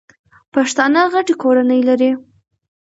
پښتانه غټي کورنۍ لري.